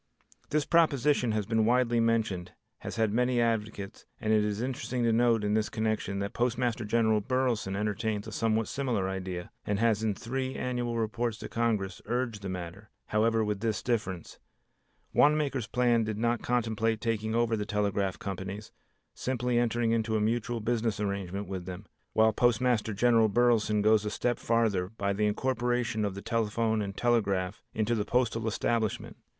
This proposition has been widely mentioned, has had many advocates, and it is interesting to note in this connection that Postmaster General Burleson entertains a somewhat similar idea, and has in three annual reports to Congress urged the matter, however, with this difference. Wanamaker's plan did not contemplate taking over the telegraph companies, simply entering into a mutual business arrangement with them, while Postmaster General Burleson goes a step farther by the incorporation of the telephone and telegraph into the postal establishment.